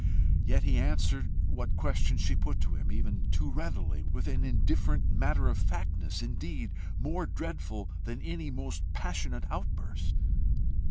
Yet he answered what questions she put to him even too readily with an indifferent matter of factness, indeed, more dreadful than any most passionate outburst.